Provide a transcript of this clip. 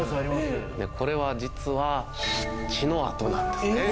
これは実は血の跡なんですね。